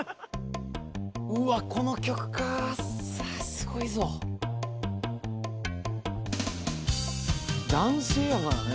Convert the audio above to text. うわっこの曲かああすごいぞ男性やからね